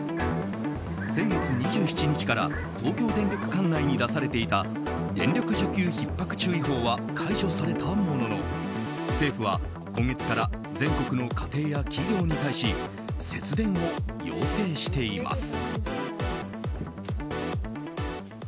先月２７日から東京電力管内に出されていた電力需給ひっ迫注意報は解除されたものの政府は今月から全国の家庭や企業に対し節電を要請しています。